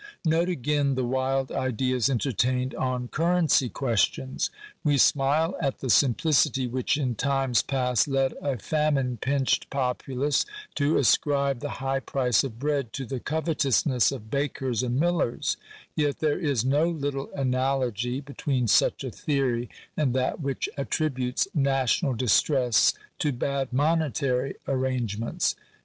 Note again the wild ideas entertained on currency questions. We smile at the simplicity which in times past led a famine pinched populace to ascribe the high price of bread to the covetousness of bakers and millers; yet there is no little analogy between such a theory and that which attributes national distress to bad monetary arrangements.